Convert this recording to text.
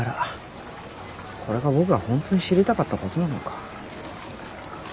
これが僕が本当に知りたかったことなのか？